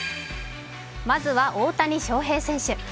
まずは大谷翔平選手。